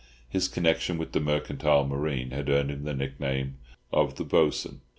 His connection with the mercantile marine had earned him his nickname of "The Bo'sun."